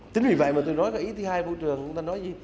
tính vì vậy mà tôi nói cái ý thứ hai môi trường chúng ta nói gì